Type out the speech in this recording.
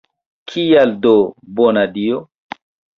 Kial do, bona Dio?